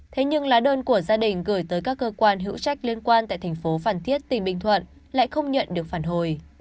thế nhưng lá đơn của gia đình gửi tới các cơ quan hữu trách liên quan tại tp phan thiết tp phan thiết lại không nhận được phản hồi